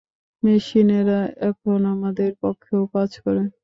মেশিনেরা এখন আমাদের পক্ষেও কাজ করে?